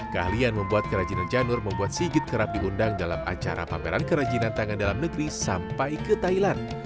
keahlian membuat kerajinan janur membuat sigit kerap diundang dalam acara pameran kerajinan tangan dalam negeri sampai ke thailand